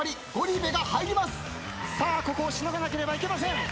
さあここをしのがなければいけません。